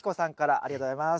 ありがとうございます。